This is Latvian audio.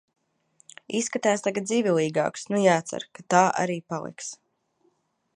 Izskatās tagad dzīvelīgāks, nu jācer, ka tā arī paliks.